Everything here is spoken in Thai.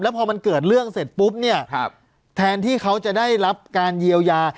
พอมันเกิดเรื่องเสร็จปุ๊บเนี่ยแทนที่เขาจะได้รับการเยียวยา